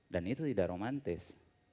dan itu tidak romantis